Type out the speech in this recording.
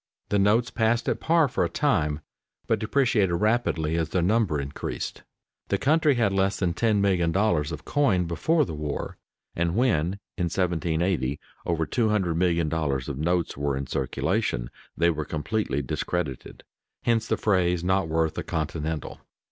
The notes passed at par for a time, but depreciated rapidly as their number increased. The country had less than $10,000,000 of coin before the war, and when, in 1780, over $200,000,000 of notes were in circulation they were completely discredited; hence the phrase "not worth a continental."